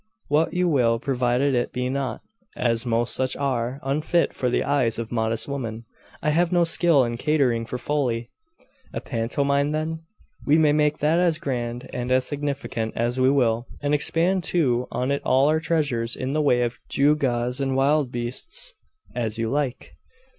'What you will, provided it be not, as most such are, unfit for the eyes of modest women. I have no skill in catering for folly.' 'A pantomime, then? We may make that as grand and as significant as we will, and expend too on it all our treasures in the way of gewgaws and wild beasts.' 'As you like.